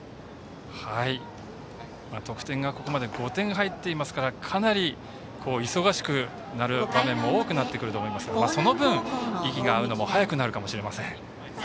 得点がここまで５点入っていますからかなり忙しくなる場面も多くなってくると思いますがその分、息が合うのも早くなるかもしれません。